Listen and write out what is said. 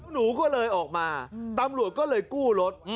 หนูก็เลยออกมาตำรวจก็เลยกู้รถ